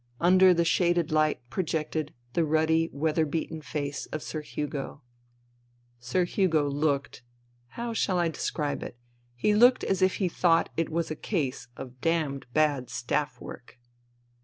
Under the shaded light projected the ruddy weather beaten face of Sir Hugo. Sir Hugo looked — how shall I describe it ?— he looked as if he thought it was a case of damned bad staff work.